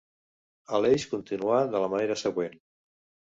Aleix continuà de la manera següent.